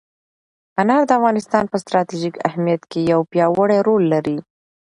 انار د افغانستان په ستراتیژیک اهمیت کې یو پیاوړی رول لري.